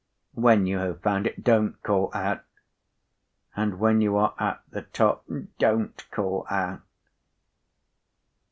When you have found it, don't call out! And when you are at the top, don't call out!"